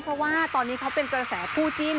เพราะว่าตอนนี้เขาเป็นกระแสคู่จิ้น